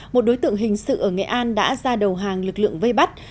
một đối tượng hình sự ở nghệ an đã ra đầu hàng lực lượng vây bắt